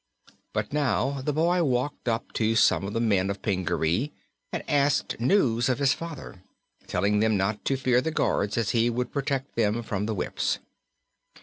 But now the boy walked up to some of the men of Pingaree and asked news of his father, telling them not to fear the guards as he would protect them from the whips.